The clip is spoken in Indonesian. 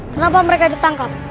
kenapa mereka ditangkap